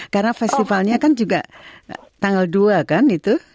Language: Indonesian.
karena festivalnya kan juga tanggal dua kan itu